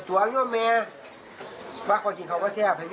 ถ้าอยากติดงานขนาดนั้นมากเลย